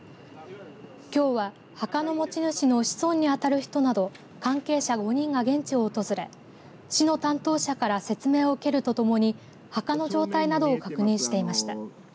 きょうは墓の持ち主の子孫に当たる人など関係者５人が現地を訪れ市の担当者から説明を受けるとともに墓の状態などを確認していました。